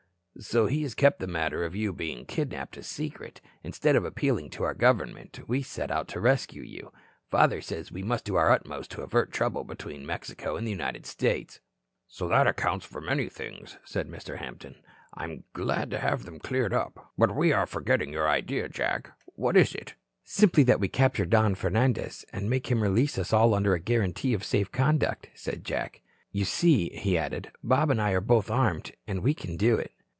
"So he has kept the matter of your being kidnapped a secret. Instead of appealing to our government, we set out to rescue you. Father says we must do our utmost to avert trouble between Mexico and the United States." "So that accounts for many things," said Mr. Hampton. "I'm glad to have them cleared up. But we are forgetting your idea, Jack. What is it?" "Simply that we capture Don Fernandez and make him release us all under a guarantee of safe conduct," said Jack. "You see," he added, "Bob and I are both armed, and we can do it."